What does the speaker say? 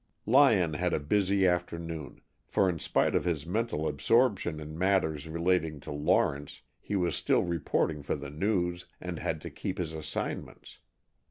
Lyon had a busy afternoon, for in spite of his mental absorption in matters relating to Lawrence, he was still reporting for the News and had to keep his assignments!